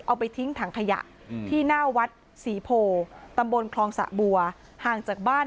เอาไปทิ้งถังขยะที่หน้าวัดศรีโพตำบลคลองสะบัวห่างจากบ้าน